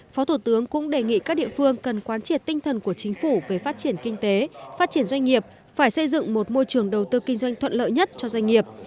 phó thủ tướng cũng đề nghị các địa phương cần quan triệt tinh thần của chính phủ về phát triển kinh tế phát triển doanh nghiệp phải xây dựng một môi trường đầu tư kinh doanh thuận lợi nhất cho doanh nghiệp